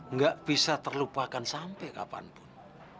nggak bisa terlupakan sampai kapanpun